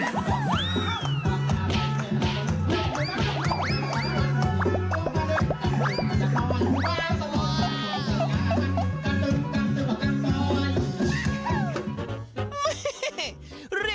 กันหรือลักษณะ